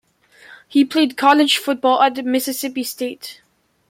He played college football at Mississippi State.